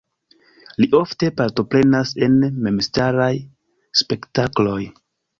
Li ofte partoprenas en memstaraj spektakloj.